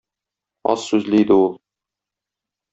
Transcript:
Аз сүзле иде ул.